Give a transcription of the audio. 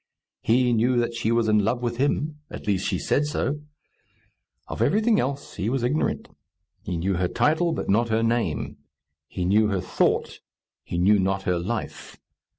He knew that she was in love with him; at least she said so. Of everything else he was ignorant. He knew her title, but not her name. He knew her thought; he knew not her life.